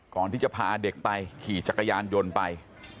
ก่อนที่จะพาเด็กไปขี่จักรยานยนต์ไป